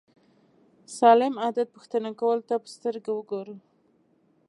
سالم عادت پوښتنه کولو ته په سترګه وګورو.